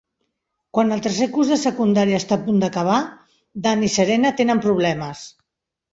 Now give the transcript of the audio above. Quan el tercer curs de secundària està a punt d'acabar, Dan i Serena tenen problemes.